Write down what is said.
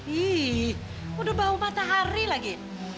wih udah bau matahari lagi